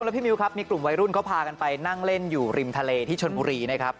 แล้วพี่มิวครับมีกลุ่มวัยรุ่นเขาพากันไปนั่งเล่นอยู่ริมทะเลที่ชนบุรีนะครับ